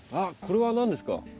あっこれは何ですか？